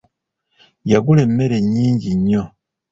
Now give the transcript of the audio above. Yagula emmere nnyingi nnyo.